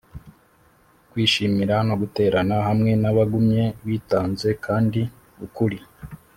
kwishimira no guterana hamwe nabagumye bitanze kandi bukuri